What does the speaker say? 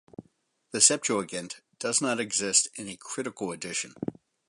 The Septuagint does not exist in a critical edition.